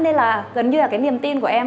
nên là gần như là cái niềm tin của em